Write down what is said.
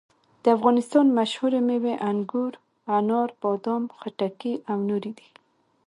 د افغانستان مشهورې مېوې انګور، انار، بادام، خټکي او نورې دي.